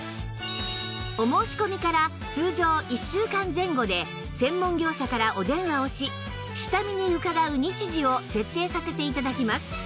お申し込みから通常１週間前後で専門業者からお電話をし下見に伺う日時を設定させて頂きます